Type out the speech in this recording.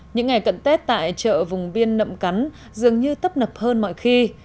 những ngày cận tết tại chợ vùng biên nậm cắn dường như tấp nập hơn mọi khi